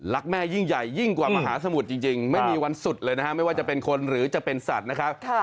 แม่ยิ่งใหญ่ยิ่งกว่ามหาสมุทรจริงไม่มีวันสุดเลยนะฮะไม่ว่าจะเป็นคนหรือจะเป็นสัตว์นะครับ